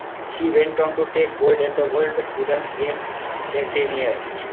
She went on to take gold at the World Student Games that same year.